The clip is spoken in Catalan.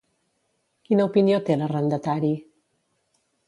Quina opinió té l'arrendatari?